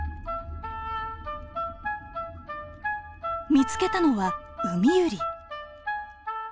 見つけたのはウミユリ。